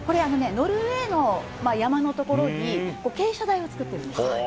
ノルウェーの山のところに傾斜台を作ってるんです。